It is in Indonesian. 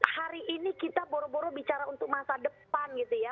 hari ini kita boro boro bicara untuk masa depan gitu ya